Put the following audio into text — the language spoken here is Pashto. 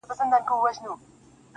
o د شپې نيمي كي.